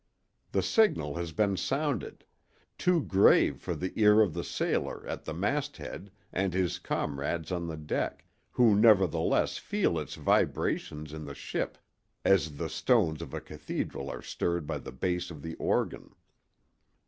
The signal has been sounded—too grave for the ear of the sailor at the masthead and his comrades on the deck—who nevertheless feel its vibrations in the ship as the stones of a cathedral are stirred by the bass of the organ.